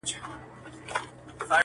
د پردي کلي د غلۀ کانه ور وسوه -